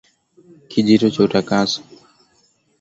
Kijito cha utakaso